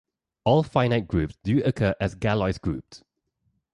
All finite groups do occur as Galois groups.